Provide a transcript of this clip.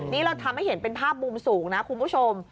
นี่เราทำให้เห็นเป็นภาพมุมสูงนะคุณผู้ชม